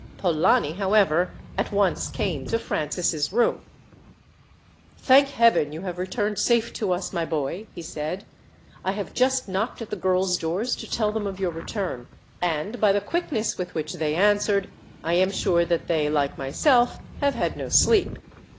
Polani, however, at once came to Francis' room. "Thank Heaven you have returned safe to us, my boy!" he said. "I have just knocked at the girls' doors, to tell them of your return, and, by the quickness with which they answered, I am sure that they, like myself, have had no sleep.